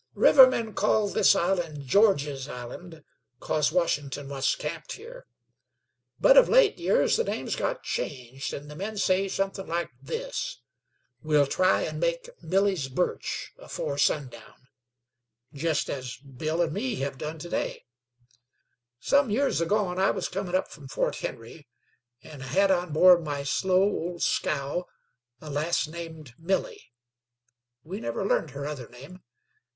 Rivermen called this island George's Island, 'cause Washington onct camped here; but of late years the name's got changed, an' the men say suthin' like this: 'We'll try an' make Milly's birch afore sundown,' jest as Bill and me hev done to day. Some years agone I was comin' up from Fort Henry, an' had on board my slow old scow a lass named Milly we never learned her other name.